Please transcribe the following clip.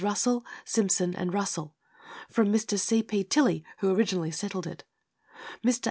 Russell, Simson, and Russell, from Mr. C. P. Tilley, who originally settled it. Mr.